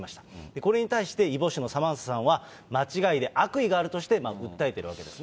これに対して、異母姉のサマンサさんは、間違いで悪意があるとして訴えているわけですね。